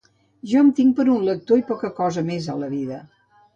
Jo em tinc per un lector i poca cosa més, a la vida.